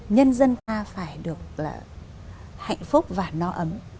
nhân dân ta phải được là hạnh phúc và no ấm